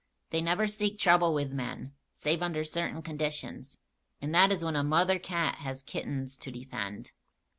They never seek trouble with man, save under certain conditions; and that is when a mother cat has kittens to defend.